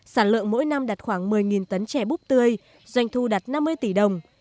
sản lượng mỗi năm đặt khoảng một mươi tấn trè búp tươi doanh thu đặt năm mươi tỷ đồng